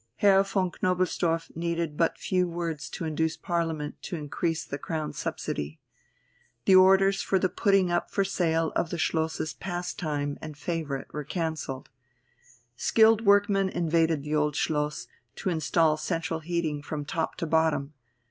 Herr von Knobelsdorff needed but few words to induce Parliament to increase the Crown subsidy. The orders for the putting up for sale of the Schlosses "Pastime" and "Favourite" were cancelled. Skilled workmen invaded the Old Schloss, to instal central heating from top to bottom.